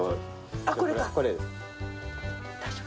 あっこれか。